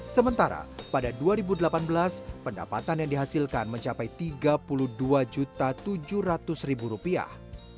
sementara pada dua ribu delapan belas pendapatan yang dihasilkan mencapai tiga puluh dua tujuh ratus rupiah